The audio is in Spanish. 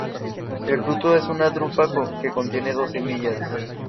El fruto es una drupa que contiene dos semillas.